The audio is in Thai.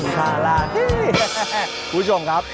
ผู้ชมครับ